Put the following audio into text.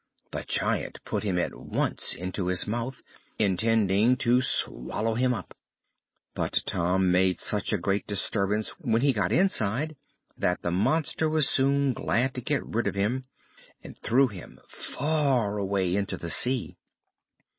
The giant put him at once into his mouth, intending to swallow him up, but Tom made such a great disturbance when he got inside that the monster was soon glad to get rid of him, and threw him far away into the sea.